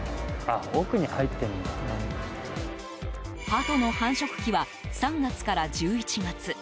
ハトの繁殖期は３月から１１月。